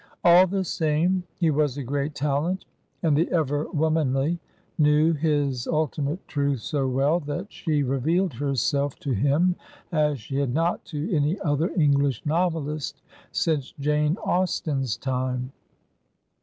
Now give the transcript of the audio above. All the same he was a great talent, and the Ever Womanly knew his ultimate truth so well that she revealed herself to him as she had not to any other English novelist since Jane Austen's time.